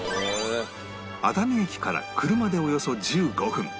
熱海駅から車でおよそ１５分